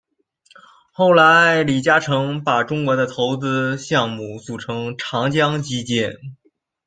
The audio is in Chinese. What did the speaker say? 后来李嘉诚把中国的投资项目组成长江基建。